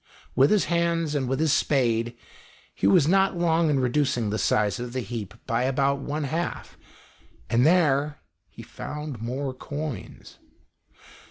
With his hands, and with his spade, he was not long in reducing the size of the heap by about one half, and there he found more coins.